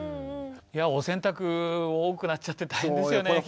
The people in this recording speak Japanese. いやぁお洗濯多くなっちゃって大変ですよね。